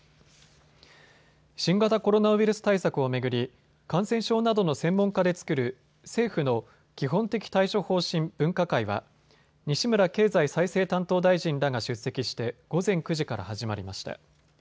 新型コロナウイルス対策を巡り感染症などの専門家で作る政府の基本的対処方針分科会は西村経済再生担当大臣らが出席して午前９時から始まりました。